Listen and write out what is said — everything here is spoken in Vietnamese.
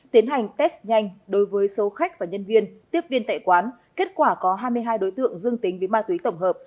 tiến hành test nhanh đối với số khách và nhân viên tiếp viên tại quán kết quả có hai mươi hai đối tượng dương tính với ma túy tổng hợp